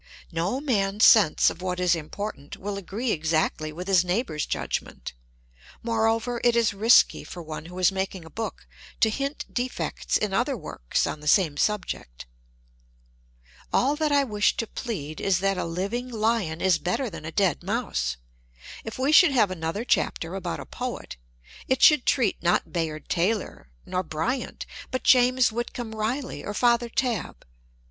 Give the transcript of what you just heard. No man's sense of what is important will agree exactly with his neighboiu*'s judgment; moreover, it is risky for one who. is making a book to hint defects in other works on the same subject. AU that I wish to plead is that a living lion is better than a dead mouse. If we shoidd have another chapter about a poet, it should treat not Bayard Taylor, nor Biyant, but James Whitcomb Riley or Father Tabb.